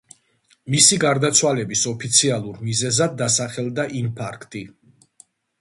მისი გარდაცვალების ოფიციალურ მიზეზად დასახელდა ინფარქტი.